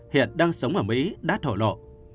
hiện đang sống ở mỹ đã thổ lộ